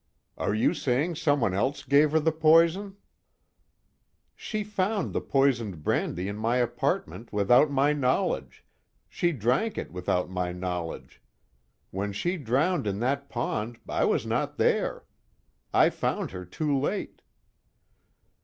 "Are you saying someone else gave her the poison?" "She found the poisoned brandy in my apartment without my knowledge, she drank it without my knowledge. When she drowned in that pond, I was not there. I found her too late."